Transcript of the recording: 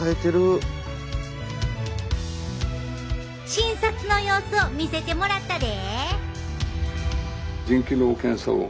診察の様子を見せてもらったで。